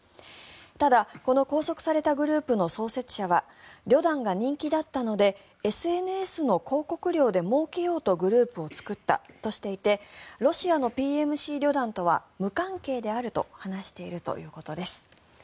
ただ、この拘束されたグループの創設者はリョダンが人気だったのでＳＮＳの広告料でもうけようとグループを作ったとしていてロシアのＰＭＣリョダンとは無関係であると話しているということです。